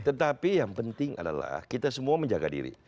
tetapi yang penting adalah kita semua menjaga diri